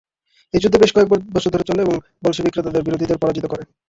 এই যুদ্ধ বেশ কয়েকবছর ধরে চলে এবং বলশেভিকরা তাদের বিরোধীদের পরাজিত করে।